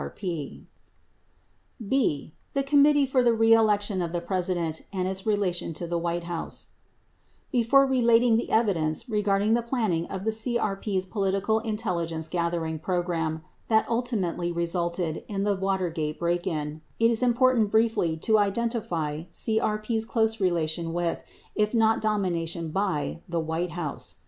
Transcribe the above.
19 B. The Committee foe the Re Election of the President and Its Relation to the White House Before relating the evidence regarding the planning of CRP's political intelligence gathering program that ultimately resulted in the Watergate break in, it is important briefly to identify CRP's close relationship with, if not domination by, the White House.